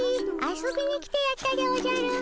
遊びに来てやったでおじゃる。